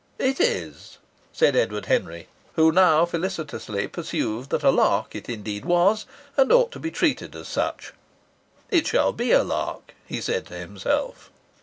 "It is," said Edward Henry, who now felicitously perceived that a lark it indeed was, and ought to be treated as such. "It shall be a lark!" he said to himself.